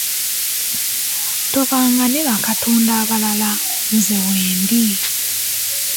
Tobanga ne bakatonda balala nze wendi.